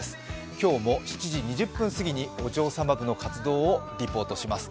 今日も７時２０分すぎにお嬢様部の活動をお送りします。